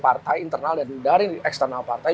partai internal dan dari eksternal partai